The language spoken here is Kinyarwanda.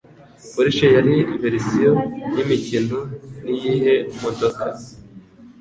Porsche yari verisiyo yimikino n’iyihe modoka?